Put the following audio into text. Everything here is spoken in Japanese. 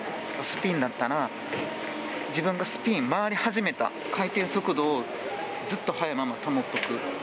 スピンだったら自分が回り始めた回転速度をずっと速いまま保っていく。